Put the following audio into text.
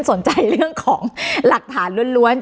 สนใจเรื่องของหลักฐานล้วน